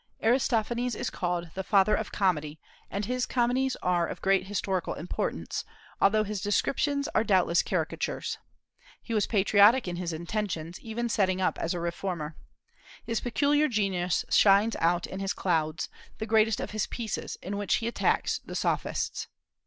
Aristophanes is called the Father of Comedy, and his comedies are of great historical importance, although his descriptions are doubtless caricatures. He was patriotic in his intentions, even setting up as a reformer. His peculiar genius shines out in his "Clouds," the greatest of his pieces, in which he attacks the Sophists.